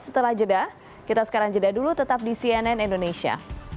setelah jeda kita sekarang jeda dulu tetap di cnn indonesia